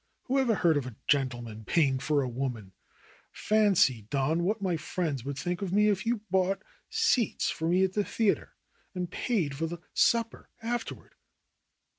Whoever heard of a gentleman paying for a woman ! Fancy, Don, what my friends would think of me if you bought seats for me at the theater and paid for the supper afterward